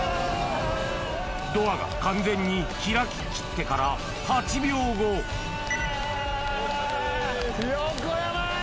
ドアが完全に開ききってから８秒後横山！